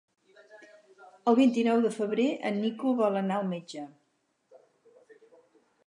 El vint-i-nou de febrer en Nico vol anar al metge.